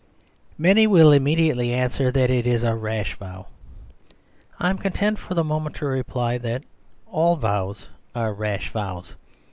Many will immediately answer that it is a rash vow. I am content for the moment to reply that all vows are rash vows.